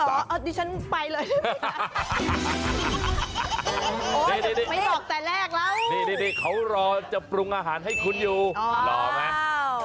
คุณชองต้มเบียบบามีกึ่ง